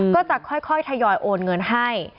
ก็จะค่อยทยอยโอนเงินให้